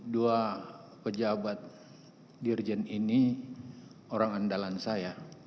dua pejabat dirjen ini orang andalan saya